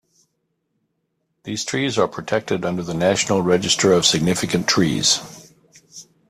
These trees are protected under the National Register of Significant Trees.